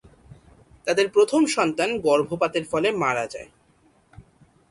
তাদের প্রথম সন্তান গর্ভপাতের ফলে মারা যায়।